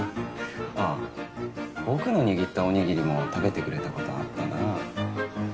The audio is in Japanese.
ああ僕の握ったおにぎりも食べてくれた事あったなあ。